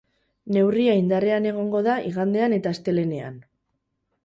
Neurria indarrean egongo da igandean eta astelehenean.